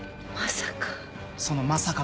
まさか。